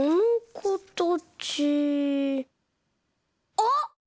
あっ！